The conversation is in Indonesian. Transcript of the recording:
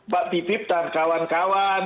pak bibip dan kawan kawan